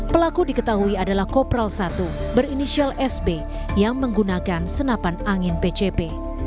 pelaku diketahui adalah kopral satu berinisial sb yang menggunakan senapan angin pcp